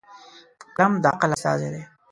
قلم د عقل استازی دی.